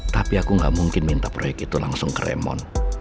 tapi aku gak mungkin minta proyek itu langsung ke remon